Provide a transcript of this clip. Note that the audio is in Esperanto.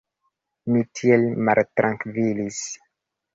Mi tiel maltrankvilis!